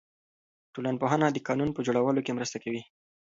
ټولنپوهنه د قانون په جوړولو کې مرسته کوي.